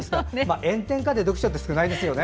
炎天下で読書って少ないですよね。